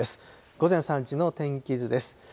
午前３時の天気図です。